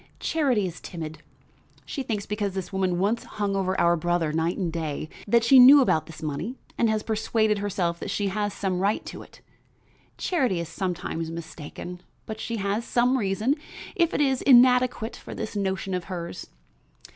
"Charity is timid; she thinks because this woman once hung over our brother, night and day, that she knew about this money and had persuaded herself that she has some right to it. Charity is sometimes mistaken, but she has some reason, if it is inadequate, for this notion of hers.